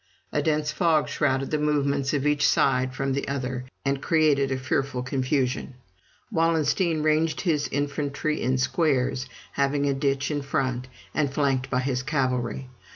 A dense fog shrouded the movements of each side from the other, and created a fearful confusion. Wallenstein ranged his infantry in squares, having a ditch in front, and flanked by his cavalry.